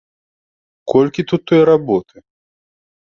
Колькі тут той работы!